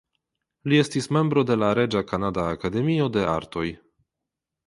Li estis membro de la Reĝa Kanada Akademio de Artoj.